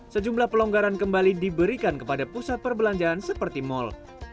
sejumlah pelonggaran kembali diberikan kepada pusat perbelanjaan seperti mal